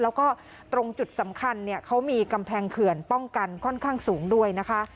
แล้วก็ตรงจุดสำคัญเนี่ยเขามีกำแพงเขื่อนป้องกันค่อนข้างสูงด้วยนะคะ